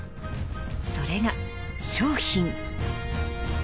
それが「商品」。